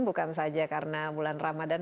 bukan saja karena bulan ramadan